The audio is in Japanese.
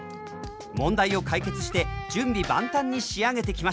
問題を解決して準備万端に仕上げてきました。